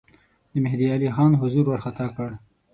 د مهدی علي خان حضور وارخطا کړ.